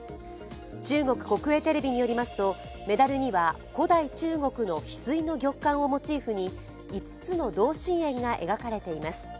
中国国営テレビによりますと、メダルには古代中国のひすいの玉環をモチーフに５つの同心円が描かれています。